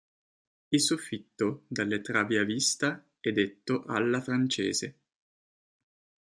Il soffitto, dalle travi a vista è detto “alla francese”.